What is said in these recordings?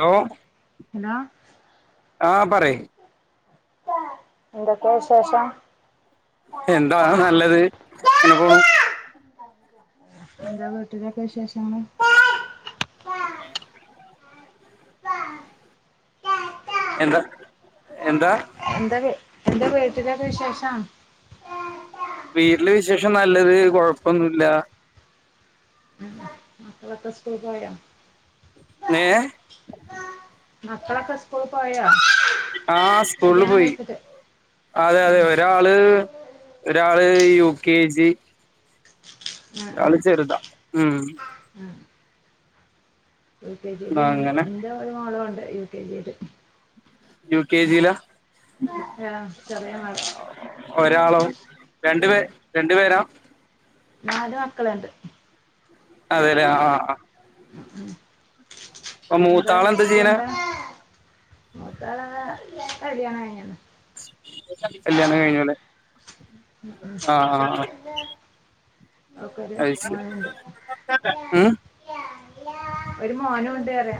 Hello എന്നാ ആ... പറയ് എന്തൊക്കെ, വിശേഷം. എന്താനല്ലതിങ്ങനെ പോണു എന്താ വീട്ടിലൊക്കെ വിശേഷം എന്താ.. എന്താ എന്താവീ, എന്താ വീട്ടിലൊക്കെ വിശേഷം വീട്ടിലുവിശേഷം നല്ലത് കുഴപ്പമൊന്നുമില്ല. ഉം... മക്കളൊക്കെ സ്കൂളിൽപോയോ ഏ മക്കളൊക്കെ സ്കൂളിൽ പോയോ? ആ.. കല്യാണം സ്കൂളിൽപോയി. കഴിച്ചിട്ട് ആ അതെയതെ ഒരാള്, ഒരാ ഇപ്പം യു. കെ. ജി ആ ആ രാള് ചെറുത, ഉം... ആ യു. കെ. ജിയില് അങ്ങനെ എന്റെയൊരു മോളുമുണ്ട് യു. കെ. ജിയില് യു. കെ. ജിയിലാ ആ.. ചെറിയമകളാ ഒരാളോ, രണ്ടുപേ... രണ്ടു പേരോ നാലുമക്കളുണ്ട് അതയല്ലേ, അ... ആ എന്താ, മൂത്താള് ജോലി ചെയ്യണെ എന്താ [inaudible] കല്യാണം കഴിഞ്ഞോ കല്യാണം കഴിഞ്ഞതല്ലേ ഓൾക്കൊരു, അത് ശരി മോനുണ്ട് ഉം ഒരു മോനുമുണ്ടുവേറെ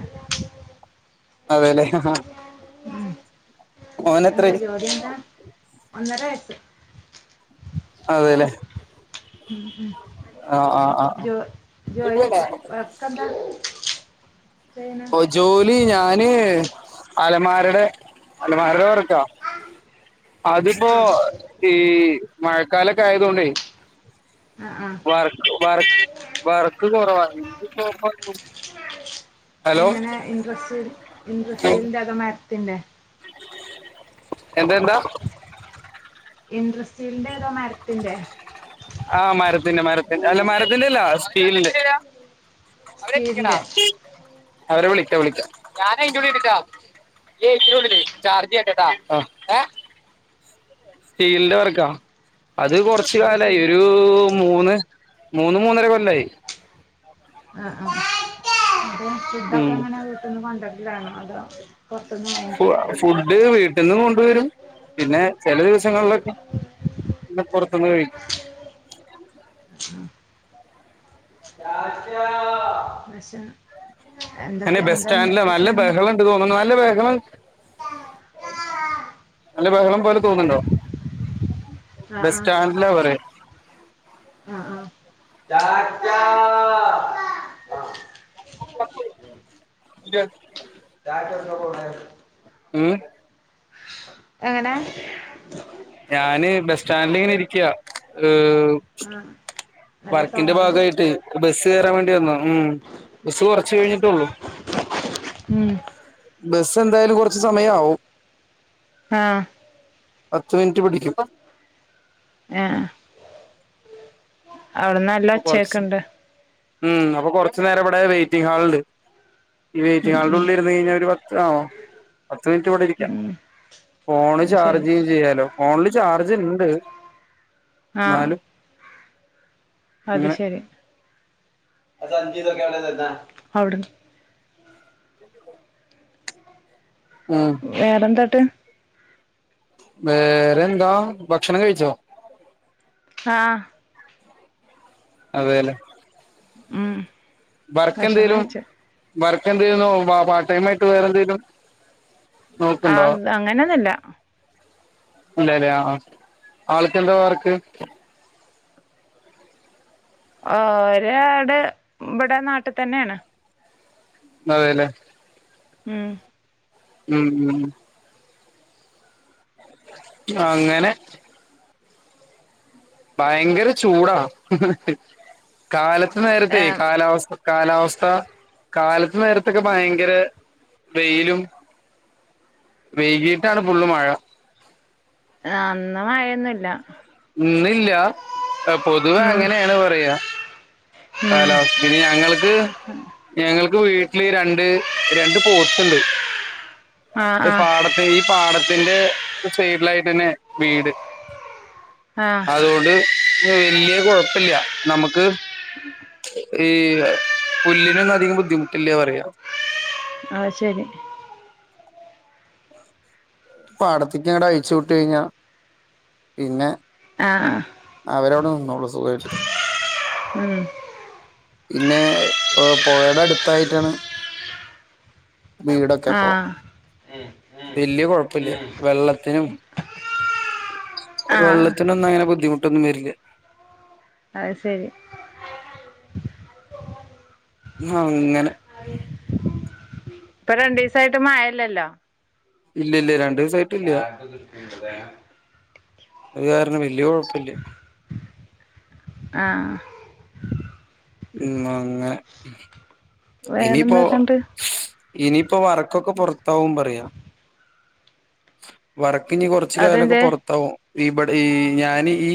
അതെയല്ലേ ഉം.. എന്താ, ജോലിയെന്താ ഒന്നരവയസ്സ് അതെയല്ലേ ഉം ഉം ജോ ജോലി ആഹ് വർക്ക്ക്കെന്താ ഓ ജോലി ഞാന് അലമാരെടെ അലമാരെടെവർക്കാ ആ, അതിപ്പോ ശരി ഈ മഴക്കാലൊക്കെ ആയതു കൊണ്ടേ ആ ആ വർക്കു വർക്ക് വർക്കു കെറവാ ഇതിപ്പം [unintelligible] എങ്ങനെയാ ഇൻട്രസ്റ്റ് ഇൻട്രസ്റ്റ് സ്റ്റീലിന്റെ അലമാരത്തിന്റെ എന്തായെന്താ ഇൻട്രസ്റ്റ് ആ മരത്തിനു മരത്തിന്റെ മരത്തിന്റെ അല്ല സ്റ്റീലിന്റെ സ്റ്റീലിന്റെ അവരെ വിളി വിളിക്കാം ഞാനതിന്റെ നുള്ളിയിരിക്കാം ഏ സി യുടെ ഉള്ളിലെ ചാർജ് ചെയ്യ്ക്കിട്ടട്ടാ അ ഏ സ്റ്റീലിന്റെ വർക്കാ അതു കെറച്ചു അത് കാലാ ശരി യായിയൊരു മൂന്ന് മൂന്ന്മൂന്നര കൊല്ലയായി ആ ആ ഉം ഫുഡൊക്കെയെങ്ങനെ വീട്ടീന്നു കൊണ്ടുവരിലാണോ അതോ പുറത്തുനിന്ന് വാങ്ങി ഫു കഴിക്കേ ഫുഡ് വീട്ടിൽനിന്നും കൊണ്ടുവരും. പിന്നെ ചെല ദിവസങ്ങളിലൊക്കെ. പിന്നെ പുറത്തുനിന്നുകഴിക്കും റ്റാറ്റ [unintelligible] എന്നാ ബസ്സ്റ്റാൻഡില് നല്ല ബഹളമുണ്ടെന്നു തോന്നുന്നു. നല്ല ബഹളം നല്ല ബഹളം പോലെ തോന്നുന്നുണ്ടോ ആ ബസ് സ്റ്റാൻഡില വരെ ആ ആ റ്റാറ്റ ആ ഉ ഡ റ്റാറ്റ എവിടെ നിന്നാ പോകുന്നേ ഉം എങ്ങനെ ഞാന് ബസ് സ്റ്റാൻഡിലിങ്ങനെ ഇരിക്കുക ഹ് ആഹ് നല്ല വർക്കിന്റെ സൗണ്ട്ണ്ട് ഭാഗവായിട്ട് ബസ് കേറാൻ വേണ്ടി വന്നതാ ഉം ബസ് കെറച്ച് കഴിഞ്ഞിട്ടേയുള്ളു ഉം ബസ് ഇപ്പം എന്തായാലും കെറച്ച് സമയം ആവും ആ പത്ത് മിനിറ്റ് പിടിക്കും ആ അവിടുന്ന് നല്ല ചെക്ക് കൊറച്ച് ഇണ്ട് ഉം അപ്പൊ കൊറച്ചു നേരം ഇവിടെ വെയ്റ്റിംഗ് ഹാളില് ഈ വെയിറ്റിംഗ് ഉം ഉം ഹാളിനുള്ളിൽ ഇരുന്നു കഴിഞ്ഞാൽ ഒരു പത്ത് ആ ഓ പത്ത് മിനിറ്റ് കൂടെ ഇരിക്കാം ഉം ഫോണ് അത് ശരി ചാർജ് ചെയ്യാലോ ഫോണില് ചാർജ് ഇണ്ട് ആ അത് ഇങ്ങനെ ശരി ആ സഞ്ചിയിത്തെക്കെ അവിടുന്ന് എടുത്തേ അവിടുന്ന് വീട്ടിപോ വേറെയെന്താട്ട് വേറെ എന്താ ഭക്ഷണം കഴിച്ചോ ആ അതേല്ലേ ഉം വർക്ക് ഭക്ഷണം എന്തേലും കഴിച്ചു വർക്ക് എന്തോ പാർട്ട് ടൈ ആയിട്ട് വേറെന്തേലും ആ അങ്ങനെ ഒന്നല്ല ഉണ്ടല്ലേ അവളക്കെന്താ വേർക്ക് ഒരാട് ഇവിടെ നാട്ടിൽ തന്നെയാണ് അതേല്ലെ ഉം ഉം ഉം അങ്ങനെ ഭയങ്കര ചൂടാ കാലത്ത് ഇ നേരത്തെ ഏഹ് കാലാവസ്ഥ കാലാവസ്ഥ കാല നേരത്തൊക്കെ ഭയങ്കര വെയിലും വൈകിട്ടാണ് പള്ള് മഴ ആഹ ഇന്നില്ല പൊതുവെ ഉം അങ്ങനെയാണ് പറയാ ഉം ഹലോ പിന്നെ ഞങ്ങൾക്ക് ഞങ്ങൾക്ക് എക്ക് വീട്ടില് രണ്ട് രണ്ട് പോത്തണ്ട് ആഹ് ആഹ് പാടത്തെ ഈ പാടത്തിന്റെ സൈഡിലായിട്ട് തന്നെ വീട് ആഹ് അതുകൊണ്ട് വലിയ കുഴപ്പില്ല നമുക്ക് ഈ പുല്ലിനൊന്നും അധികം ബുദ്ധിമുട്ടില്ല പറയാ ആഹ ശരി പാടത്തക്ക് ഇങ്ങടെ അയച്ചു വിട്ട കഴിഞ്ഞാ പിന്നെ ആഹ അവരോട് നിന്നോള്ളൂ സുഖു ഉം പിന്നെ പുഴയുടെ അടുത്തായിട്ടാണ് വീടൊക്കെപ്പോ ആഹ് വല്യ കൊഴപ്പില്ല വെള്ളത്തിനും ആഹ് വെള്ളത്തിനൊന്നും അങ്ങനെ ബുദ്ധിമുട്ടൊന്നും വരില്ല അത് ശരി ആഹ ഇങ്ങനെ ഇപ്പൊ രണ്ടു ദിവസായിട്ട് മഴല്ലല്ലോ ഇല്ല ഇല്ല രണ്ട് ദിവസായിട്ട് െ ഇല്ല ആക്ക ദൃഷ്ടിണ്ട്ത [unintelligible] അത് കാരണം വല്ിയ കുഴപ്പില്ല ആ ഉ അങ്ങ ഇനിപ്പോ വേറെന്തൊക്കെണ്ട് ഇനിയിപ്പോൊ വർക്കൊക്കെ പൊറത്താവും പറയാ വർ ഇനി കുറച്ച കാലൊക്കെ അതെന്തേ പൊറത്താവും ഇവിടെ ഈ ഞാൻ ഈ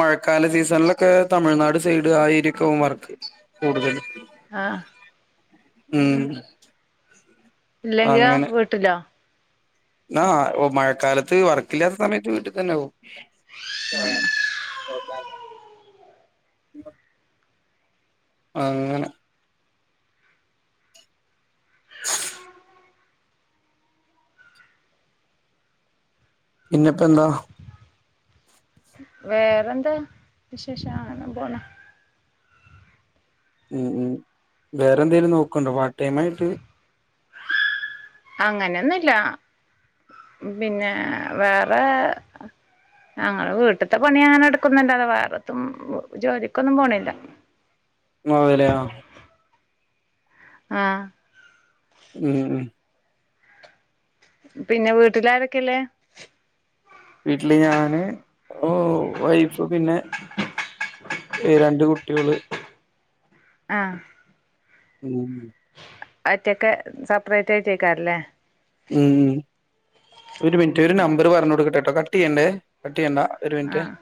മഴക്കാല സീസണിലൊക്കെ തമിഴ്നാട് സൈഡ് ആ ഏരിയൊക്കെ വർ കൂടുതൽ ആഹ ഉം ഇല്ലെങ്കിലോ അങ്ങനെ വീട്ടിലോ ആ മഴക്കാലത്ത് വർക്കില്ലാത്ത സമയത്ത് വീട്ടിൽ തന്നെ ആവും യ അങ്ങനെ [unintelligible] പിന്നെപ്പ എന്താ വേറെന്താ വിശേഷം അങ്ങനെ പോണ ഉം ഉം വേറെ എന്തെലും നോക്കണ്ടോ പാർട്ട ടൈം ആയിട്ട് അങ്ങനെയൊന്നുംല്ല പിന്നെ വേറെ ഞങ്ങെ വീട്ടത്തെ പണി അങ്ങനെ എടുക്കുന്നുണ്ട അ വേറെത്തും ജോലിക്കൊന്നും പോണില്ല [unintelligible] ആ ആ ഉ ഉ പിന്നെ വീട്ടിലാരൊക്കെള്ളേ വീട്ടില് ഞാന് ഓ വൈഫ് പിന്നെ രണ്ട് കുട്ടികള് ആഹ ഉം ഒറ്റക്കെ സപ്പറേറ്റ് ആയിട്ടേക്കാരല്ലേ ഉം ഒരു മിനിറ്റ് ഒരു നമ്പറ് പറഞ്ഞു കൊടുക്കട്ടെ കേട്ടോ കട്ട് ചെയ്യണ്ടേ ട്ട് ചെയ്യണ്ട ഒരു മിനുറ്റേ ആഹ്